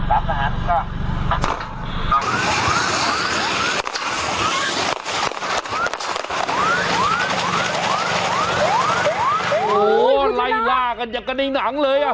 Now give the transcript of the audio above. โอ้โหไล่ล่ากันอย่างกันในหนังเลยอ่ะ